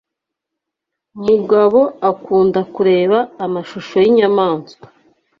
Mugabo akunda kureba amashusho yinyamaswa.